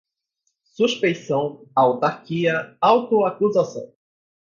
suspeição, autarquia, auto-acusação